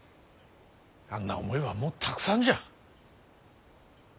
あんな思いはもうたくさんじゃ。